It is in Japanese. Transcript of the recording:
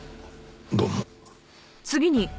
どうも。